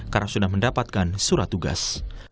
karena sudah mendapatkan surat tugas